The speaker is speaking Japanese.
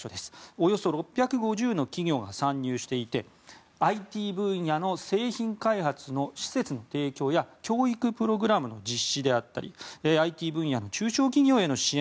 およそ６５０の企業が参入していてＩＴ分野の製品開発の施設の提供や教育プログラムの実施であったりＩＴ分野の中小企業への支援